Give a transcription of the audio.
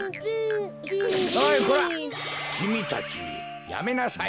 おいこらきみたちやめなさい！